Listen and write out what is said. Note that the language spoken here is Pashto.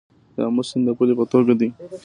د امو سیند د پولې په توګه دی